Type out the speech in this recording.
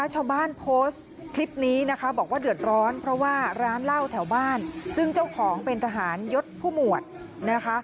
ชาวบ้านโพสต์คลิปนี้นะคะบอกว่าเดือดร้อนเพราะว่าร้านเหล้าแถวบ้านซึ่งเจ้าของเป็นทหารยศผู้หมวดนะคะ